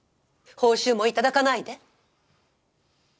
報酬も頂かないで？